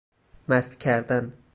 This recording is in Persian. مست کردن